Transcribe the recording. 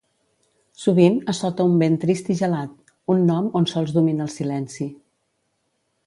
Sovint assota un vent trist i gelat; un nom on sols domina el silenci.